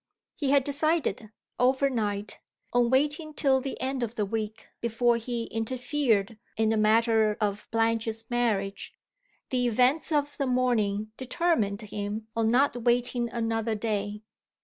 He had decided, overnight, on waiting till the end of the week before he interfered in the matter of Blanche's marriage. The events of the morning determined him on not waiting another day.